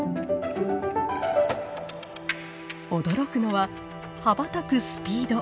驚くのは羽ばたくスピード。